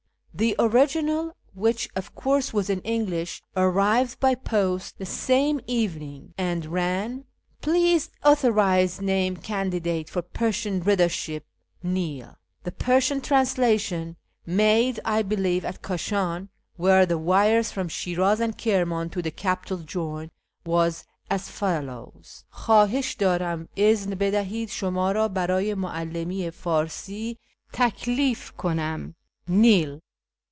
The original, which, of course, was in English, arrived by post the same evening, and ran —" Please authorise name candidate for Persian readership, Neil." The Persian translation (made, I believe, at Kashau, where the wires from Shiraz and Kirman to the capital join) was as follows :—" Khiodhish ddratn izn hi dihicl sh'umd rd hardyi mu cdlimi i fdrsi taklif Icunam. Nil."